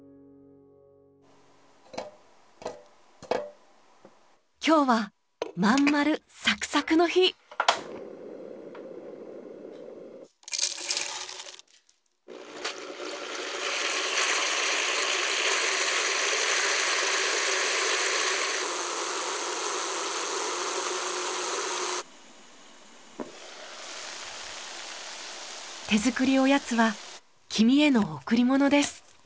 手作りおやつは君への贈り物です。